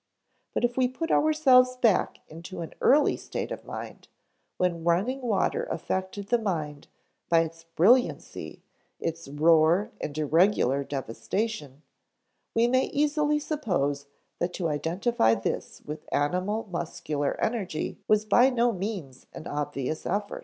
But if we put ourselves back into an early state of mind, when running water affected the mind by its brilliancy, its roar and irregular devastation, we may easily suppose that to identify this with animal muscular energy was by no means an obvious effort."